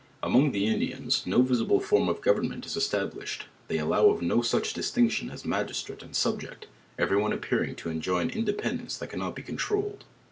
Among the Indiana no visible fjrm of oovsrnmsnt is es tablished; they allow of no such distinction as magistrate and subject, every one appearing to ei joy an independence that cannot he c mtrdled.